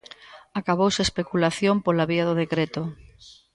Acabouse a especulación pola vía do decreto.